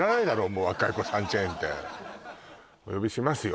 もう若い子サンチェーンってお呼びしますよ